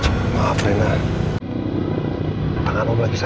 aduh kita kok engagements pemilihan semuanya